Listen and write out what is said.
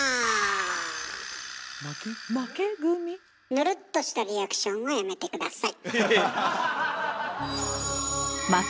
ぬるっとしたリアクションはやめて下さい。